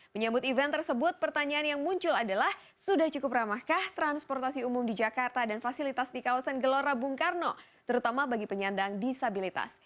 menyambut event tersebut pertanyaan yang muncul adalah sudah cukup ramahkah transportasi umum di jakarta dan fasilitas di kawasan gelora bung karno terutama bagi penyandang disabilitas